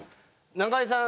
中居さん